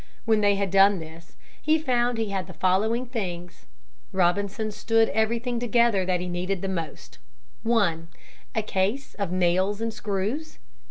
When they had done this, he found he had the following things. Robinson stood everything together that he needed most. 1. A case of nails and screws.